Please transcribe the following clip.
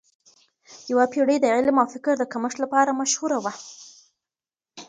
یوه پیړۍ د علم او فکر د کمښت لپاره مشهوره وه.